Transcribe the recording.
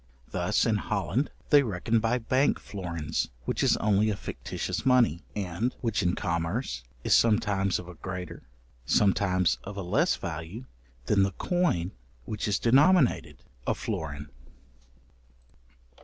Thus in Holland they reckon by bank florins, which is only a fictitious money, and which in commerce is sometimes of a greater, sometimes of a less value than the coin which is denominated a florin.